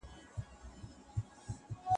ايا انلاين درسونه د شخصي سرعت ملاتړ کوي؟